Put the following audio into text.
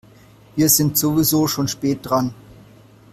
Wir sind sowieso schon spät dran.